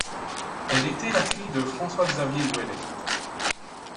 Elle était la fille de François-Xavier Ouellette.